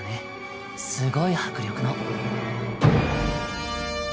すごい迫力の。